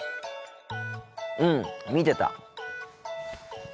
うん見てた。